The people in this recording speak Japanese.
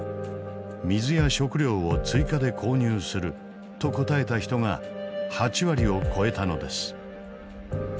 「水や食料を追加で購入する」と答えた人が８割を超えたのです。